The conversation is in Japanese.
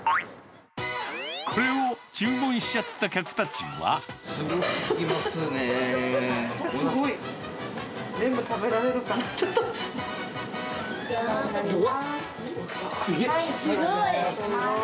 これを注文しちゃった客たちすごすぎますね。